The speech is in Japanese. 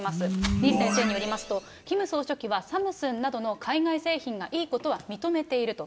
李先生によりますと、キム総書記はサムスンなどの海外製品がいいことは認めていると。